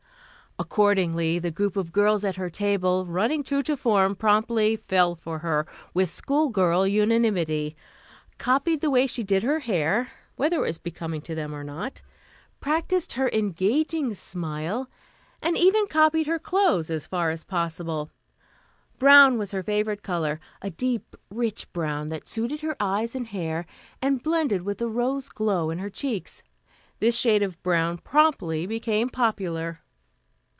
Accordingly, the group of girls at her table, running true to form, promptly "fell for her" with schoolgirl unanimity; copied the way she did her hair, whether it was becoming to them or not, practiced her engaging smile, and even copied her clothes, as far as possible. Brown was her favorite color a deep, rich brown that suited her eyes and hair and blended with the rose glow in her cheeks. This shade of brown promptly became popular.